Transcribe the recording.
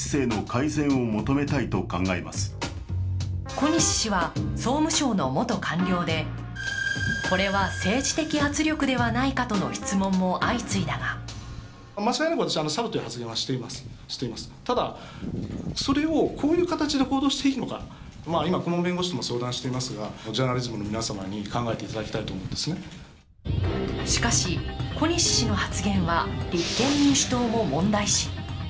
小西氏は総務省の元官僚でこれは政治的圧力ではないかとの質問も相次いだがしかし、小西氏の発言は立憲民主党も問題視。